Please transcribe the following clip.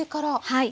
はい。